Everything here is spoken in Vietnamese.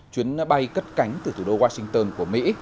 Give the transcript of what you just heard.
chuyến bay cất cánh từ thủ đô washington của mỹ